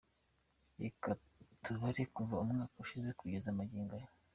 Reka tubare kuva umwaka ushize kugeza magingo aya.